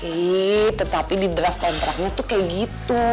iya tetapi di draft kontraknya tuh kayak gitu